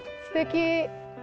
すてき。